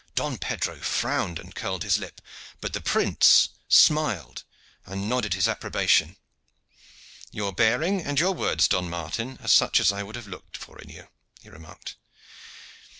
Don Pedro frowned and curled his lip, but the prince smiled and nodded his approbation. "Your bearing and your words, Don Martin, are such I should have looked for in you," he remarked.